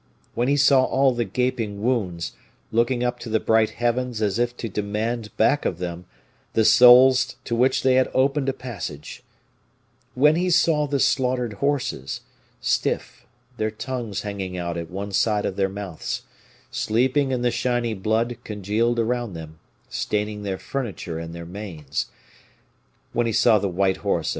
When he saw all the gaping wounds, looking up to the bright heavens as if to demand back of them the souls to which they had opened a passage, when he saw the slaughtered horses, stiff, their tongues hanging out at one side of their mouths, sleeping in the shiny blood congealed around them, staining their furniture and their manes, when he saw the white horse of M.